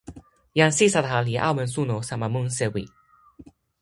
jan Sitata li awen suno sama mun sewi.